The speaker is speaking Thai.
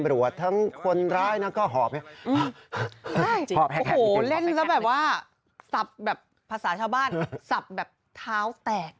ใช่โอ้โหเล่นแล้วแบบว่าสับแบบภาษาชาวบ้านสับแบบท้าวแตก